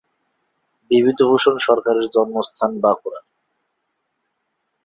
বিভূতিভূষণ সরকারের জন্মস্থান বাঁকুড়া।